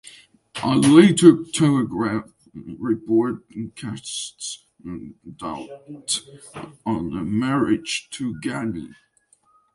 A later "Telegraph" report casts doubt on a marriage to Ghani.